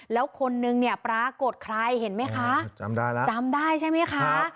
แล้วคนนึงเนี่ยปรากฏใครเห็นไหมคะจำได้แล้วจำได้ใช่ไหมคะ